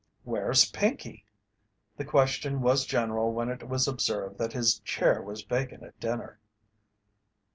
"Where's Pinkey?" The question was general when it was observed that his chair was vacant at dinner.